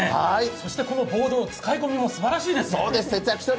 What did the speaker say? そして、このボードの使い込みもすばらしいです。